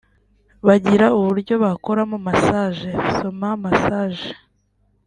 Bagira n’uburyo bakoramo massage [soma masaje]